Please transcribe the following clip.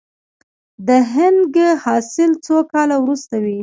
د هنګ حاصل څو کاله وروسته وي؟